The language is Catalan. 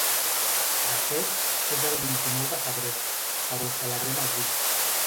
De fet, és el vint-i-nou de febrer, però ho celebrem avui.